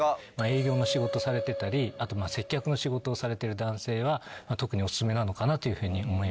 営業の仕事されてたりあと接客の仕事をされてる男性は特にお薦めなのかなというふうに思います。